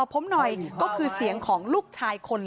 พ่ออยู่ข้างหน้าไหน